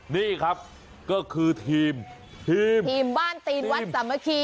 นี่ครับก็คือทีมทีมบ้านตีนวัดสามัคคี